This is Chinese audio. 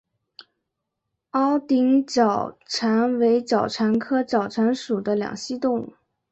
凹顶角蟾为角蟾科角蟾属的两栖动物。